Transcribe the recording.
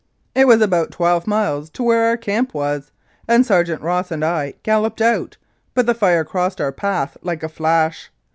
It was about twelve miles to where our camp was, and Sergeant Ross and I galloped out, but the fire crossed our path like a flash.